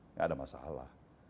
nggak ada masalah